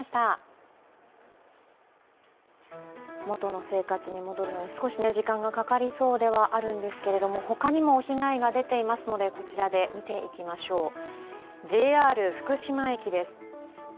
元の生活に戻るのに少し時間がかかりそうではあるんですけど他にも被害が出ていますので、こちらで見ていきましょう。